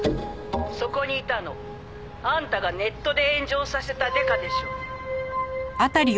「そこにいたのあんたがネットで炎上させたデカでしょ？」